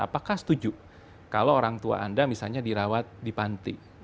apakah setuju kalau orang tua anda misalnya dirawat di panti